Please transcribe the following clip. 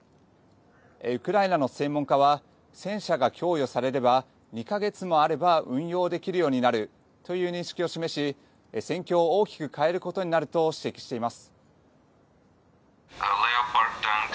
ウクライナの専門家は戦車が供与されれば２か月もあれば運用できるようになるという認識を示し戦況を大きく変えることになると指摘しています。